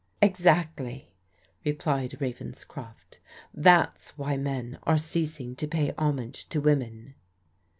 " Exactly/' replied Ravenscrof t ;'* that's why men ate ceasing to pay homage to women."